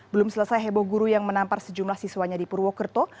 belum selesai heboh guru yang menampar sejumlah siswanya di purwokerto